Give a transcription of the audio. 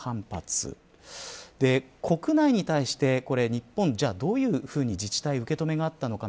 国内に対して日本、じゃあどういうふうに自治体受け止めがあったのか。